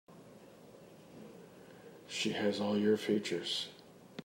She has all your features.